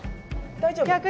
大丈夫。